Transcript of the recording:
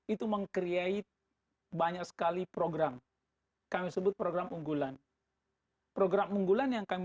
dua ribu dua puluh dua itu meng create banyak sekali program kami sebut program unggulan program unggulan yang kami